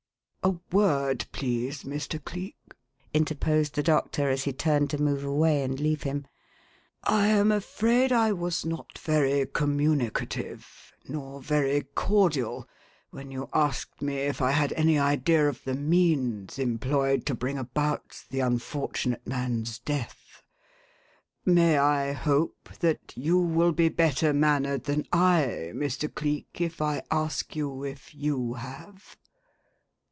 "A word, please, Mr. Cleek," interposed the doctor as he turned to move away and leave him. "I am afraid I was not very communicative nor very cordial when you asked me if I had any idea of the means employed to bring about the unfortunate man's death; may I hope that you will be better mannered than I, Mr. Cleek, if I ask you if you have?